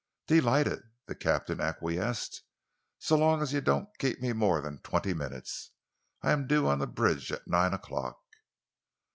"Delighted," the captain acquiesced, "so long as you don't keep me more than twenty minutes. I am due on the bridge at nine o'clock."